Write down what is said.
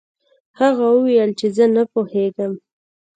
هغه وویل چې زه نه پوهیږم.